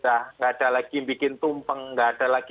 tidak ada lagi membuat tumpeng tidak ada lagi